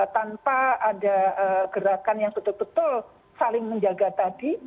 tanpa ada gerakan yang betul betul saling menjaga tadi